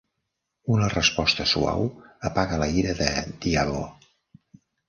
Una resposta suau apaga la ira de Diabo.